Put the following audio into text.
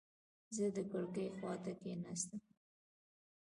زه د کړکۍ خواته کېناستم.